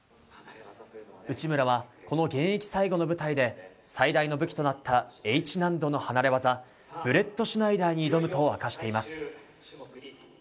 内村は、この現役最後の舞台で最大の武器となったＨ難度の離れ技ブレットシュナイダーに挑むと明かしています。